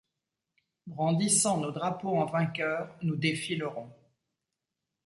Brandissant nos drapeaux en vainqueur nous défilerons.